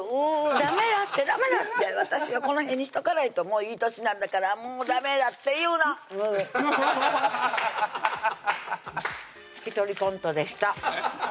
ダメやってダメだって私はこの辺にしとかないともういい年なんだからもうダメだっていうのうん１人コントでした